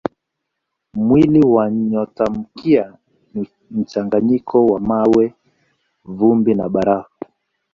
Mwili wa nyotamkia ni mchanganyiko wa mawe, vumbi na barafu.